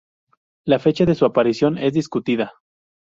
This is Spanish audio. La fecha de su aparición es discutida.